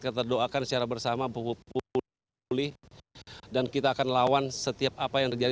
kita doakan secara bersama pukul sepuluh dan kita akan lawan setiap apa yang terjadi